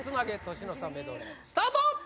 年の差メドレースタート！